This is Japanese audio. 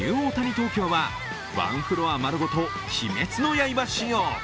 東京はワンフロア丸ごと「鬼滅の刃」仕様。